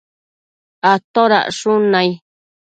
atodacshun nai?